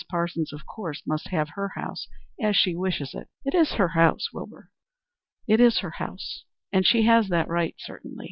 Parsons, of course, must have her house as she wishes it. It is her house, Wilbur." "It is her house, and she has that right, certainly.